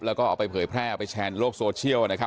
แล้วก็เอาไปเผยแพร่เอาไปแชร์ในโลกโซเชียลนะครับ